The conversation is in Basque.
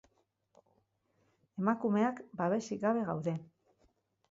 Emakumeak babesik gabe gaude.